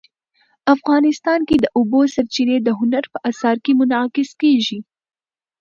افغانستان کې د اوبو سرچینې د هنر په اثار کې منعکس کېږي.